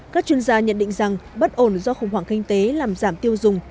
các chuyên gia nhận định rằng bất ổn do khủng hoảng kinh tế làm giảm tiêu dùng